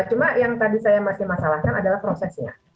cuma yang tadi saya masih masalahkan adalah prosesnya